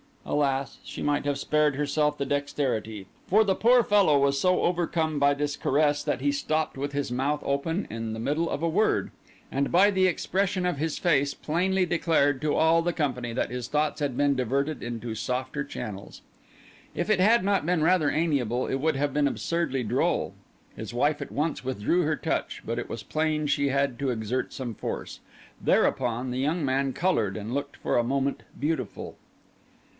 Alas! she might have spared herself the dexterity. For the poor fellow was so overcome by this caress that he stopped with his mouth open in the middle of a word, and by the expression of his face plainly declared to all the company that his thoughts had been diverted into softer channels. If it had not been rather amiable, it would have been absurdly droll. His wife at once withdrew her touch; but it was plain she had to exert some force. Thereupon the young man coloured and looked for a moment beautiful.